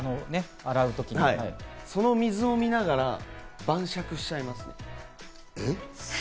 その水を見ながら晩酌しちゃいますね。